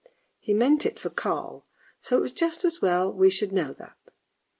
He meant it for Carl, so it is just as well we should know that.